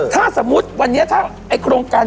ถ้าสมมุติวันนี้ถ้าไอ้โครงการ